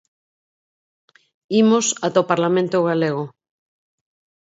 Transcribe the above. Imos ata o Parlamento galego.